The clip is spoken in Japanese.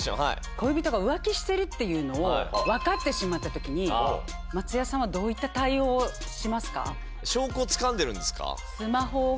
恋人が浮気してるっていうのを分かってしまった時に松也さんはどういった対応をしますか？